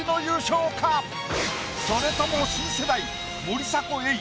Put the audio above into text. それとも新世代森迫永依